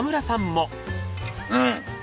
うん！